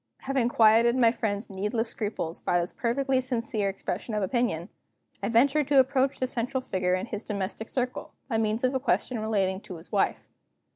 Having quieted my friend's needless scruples by this perfectly sincere expression of opinion, I ventured to approach the central figure in his domestic circle, by means of a question relating to his wife.